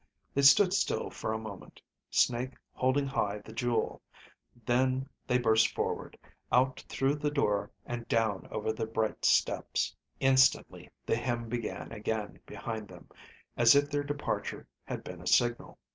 They stood still for a moment, Snake holding high the jewel; then they burst forward, out through the door and down over the bright steps. Instantly the hymn began again behind them, as if their departure had been a signal.